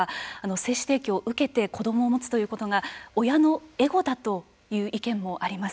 精子提供を受けて子どもを持つということが親のエゴだという意見もあります。